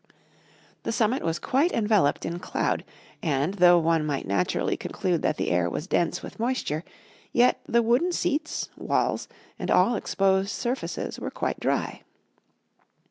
The summit was quite enveloped in cloud, and, though one might naturally conclude that the air was dense with moisture, yet the wooden seats, walls, and all exposed surfaces were quite dry.